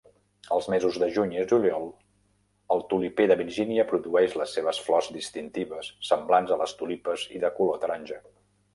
Els mesos de juny i juliol, el tuliper de Virgínia produeix les seves flors distintives semblants a les tulipes i de color taronja.